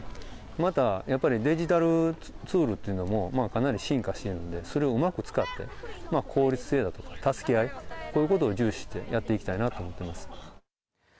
また、やっぱりデジタルツールっていうのもかなり進化してるんで、それをうまく使って、効率性だとか助け合い、こういうことを重視してやっていきたいなと思ってます。